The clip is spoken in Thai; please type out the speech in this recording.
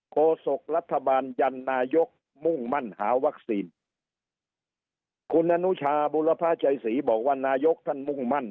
โศกรัฐบาลยันนายกมุ่งมั่นหาวัคซีนคุณอนุชาบุรพาชัยศรีบอกว่านายกท่านมุ่งมั่น